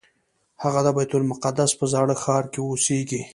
هغه د بیت المقدس په زاړه ښار کې اوسېږي.